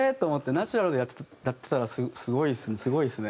ナチュラルでやってたらすごいですねすごいですね。